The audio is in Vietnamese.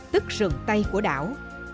tức sườn tây của đảo